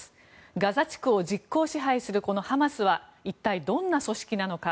ガザ地区を実効支配するこのハマスは一体どんな組織なのか。